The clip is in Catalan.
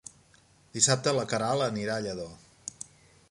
Dissabte na Queralt anirà a Lladó.